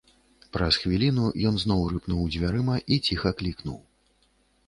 Праз хвіліну ён зноў рыпнуў дзвярыма і ціха клікнуў.